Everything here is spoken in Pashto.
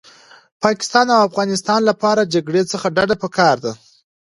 پاکستان او افغانستان لپاره جګړې څخه ډډه پکار ده